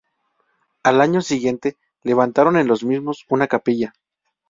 Al año siguiente levantaron en los mismos una capilla.